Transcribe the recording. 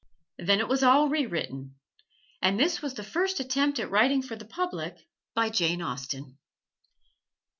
Then it was all rewritten. And this was the first attempt at writing for the public by Jane Austen.